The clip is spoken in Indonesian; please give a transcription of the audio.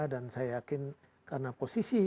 dan saya yakin karena posisi